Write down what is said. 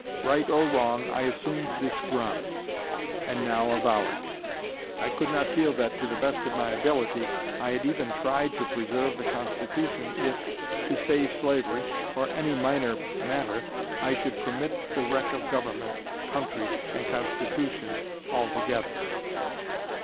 Right or wrong, I assumed this ground, and now avow it. I could not feel that, to the best of my ability, I had even tried to preserve the Constitution, if, to save slavery, or any minor matter, I should permit the wreck of government, country, and constitution, altogether.